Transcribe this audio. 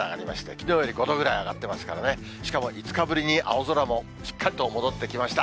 きのうより５度ぐらい上がってますからね、しかも５日ぶりに青空もしっかりと戻ってきました。